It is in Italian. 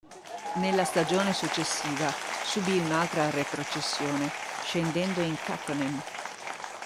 Nella stagione successiva subì un'altra retrocessione, scendendo in Kakkonen.